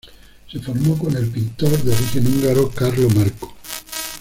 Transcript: Se formó con el pintor de origen húngaro Carlo Marko.